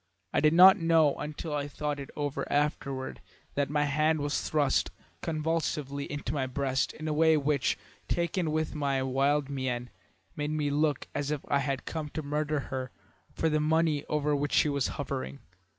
I did not know until I thought it over afterward that my hand was thrust convulsively into my breast in a way which, taken with my wild mien, made me look as if I had come to murder her for the money over which she was hovering.